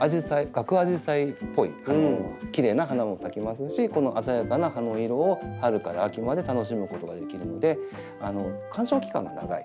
ガクアジサイっぽいきれいな花も咲きますしこの鮮やかな葉の色を春から秋まで楽しむことができるので観賞期間が長い